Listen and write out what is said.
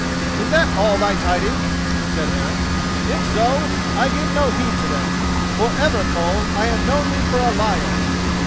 "Is that all thy tidings?" said Eric. "If so, I give no heed to them: for ever, Koll, I have known thee for a liar!"